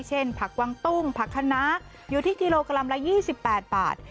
ผักวังตุ้งผักคณะอยู่ที่กิโลกรัมละ๒๘บาท